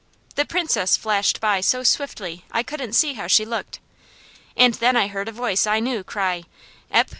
The Princess flashed by so swiftly I couldn't see how she looked, and then I heard a voice I knew cry: "Ep!